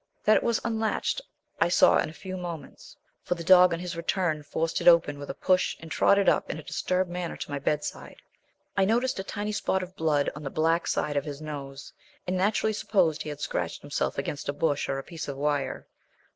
That it was unlatched I saw in a few moments, for the dog on his return forced it open with a push and trotted up in a disturbed manner to my bedside. I noticed a tiny spot of blood on the black side of his nose, and naturally supposed he had scratched himself against a bush or a piece of wire.